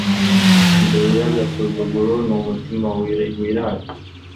indoro y'agasuzuguro n'umutima wirata